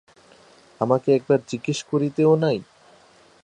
আমাকে একবার জিজ্ঞাসা করিতেও নাই?